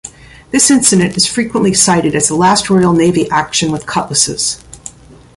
This incident is frequently cited as the last Royal Navy action with cutlasses.